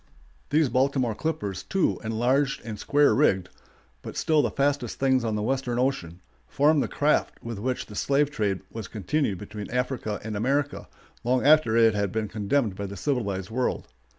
] These Baltimore clippers, too, enlarged and square rigged, but still the fastest things on the western ocean, formed the craft with which the slave trade was continued between Africa and America long after it had been condemned by the civilized world.